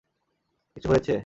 কিছু হয়েছে?